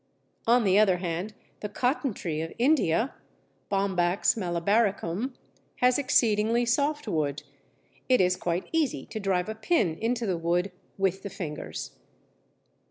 On the other hand the Cotton tree of India (Bombax malabaricum) has exceedingly soft wood. It is quite easy to drive a pin into the wood with the fingers.